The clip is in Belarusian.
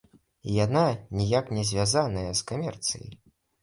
І яна ніяк не звязаная з камерцыяй.